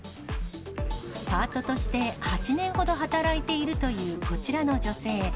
パートとして８年ほど働いているというこちらの女性。